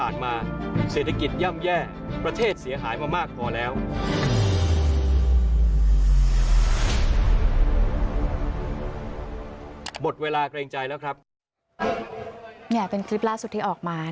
เนี่ยเป็นคลิปล่าสุดที่ออกมา